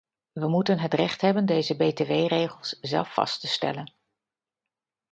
We moeten het recht hebben deze btw-regels zelf vast te stellen.